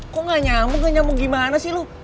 kok gak nyambung gak nyambung gimana sih lu